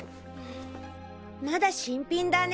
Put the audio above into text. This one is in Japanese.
まだ新品だね。